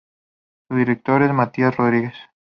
Su director es Matías Rodríguez.